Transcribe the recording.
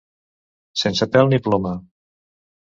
Sense pèl ni ploma.